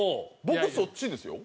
僕そっちですよ。